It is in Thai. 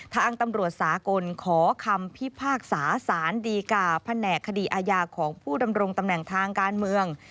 ทางตำรวจสากลขอคำพิพากษาสารดีกาแผนกคดีอาญาของผู้ดำรงตำแหน่งทางการเมือง